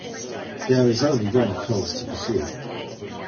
There is only one course to pursue.